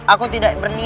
aku tidak berani